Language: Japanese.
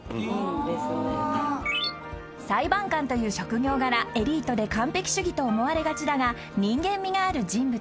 ［裁判官という職業柄エリートで完璧主義と思われがちだが人間味がある人物］